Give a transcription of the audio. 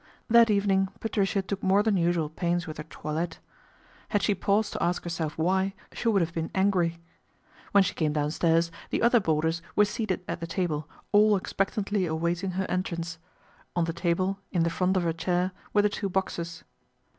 That evening Patricia took more than usual pains with her toilette. Had she paused to ask herself why, she would have been angry. When she came downstairs, the other boarders were seated at the table, all expectantly awaiting her entrance. On the table, in the front of her chair, were the two boxes.